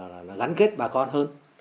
là gắn kết bà con hơn